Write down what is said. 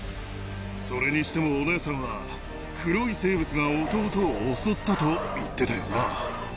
それにしてもお姉さんは、黒い生物が弟を襲ったと言ってたよな。